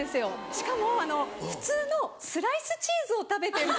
しかも普通のスライスチーズを食べてる時に。